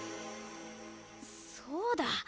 そうだ！